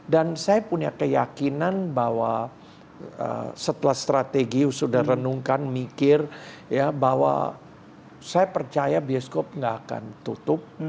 dan saya punya keyakinan bahwa setelah strategi sudah renungkan mikir ya bahwa saya percaya bioskop gak akan tutup